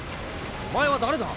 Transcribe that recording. お前は誰だ？